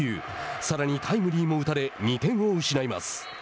さらにタイムリーも打たれ２点を失います。